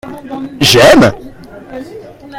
J'aime.